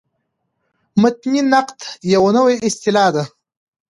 متني نقد یوه نوې اصطلاح ده.